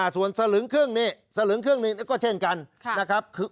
ส่วนสลึงครึ่งนี่ก็เช่นกันนะครับ